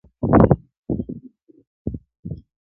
حقيقت څوک نه منل غواړي تل,